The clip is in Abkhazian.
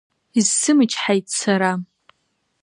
Исзымычҳаит сара.